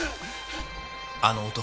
あの男